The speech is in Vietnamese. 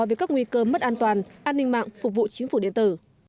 về các nguy cơ mất an toàn an ninh mạng phục vụ chính phủ điện tử